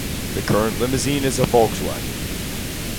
The current limousine is a Volkswagen.